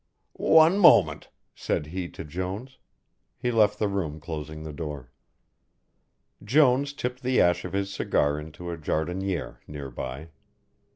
"One moment," said he to Jones. He left the room closing the door. Jones tipped the ash of his cigar into a jardinière near by.